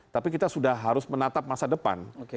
tapi kita sudah harus menatap masa depan